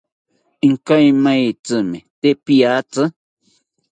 Ikaimaitzimi te piatzi